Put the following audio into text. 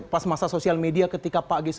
pas masa sosial media ketika pak geis